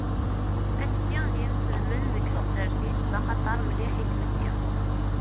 Atekki n yimselmen deg tsertit d axater mliḥ i tmetti.